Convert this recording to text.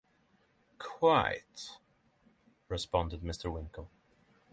‘Quite,’ responded Mr. Winkle.